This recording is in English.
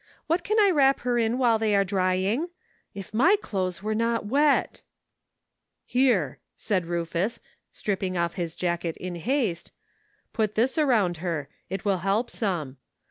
What can I wrap her in while they are drying ? If my cloths were not wet !"" Here," said Rufus, stripping off his jacket in haste, " put this around her, it will help some.